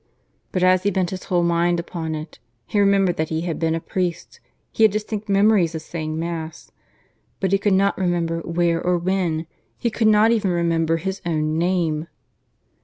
But, as he bent his whole mind upon it, he remembered that he had been a priest he had distinct memories of saying mass. But he could not remember where or when; he could not even remember his own name.